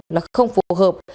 là không phù hợp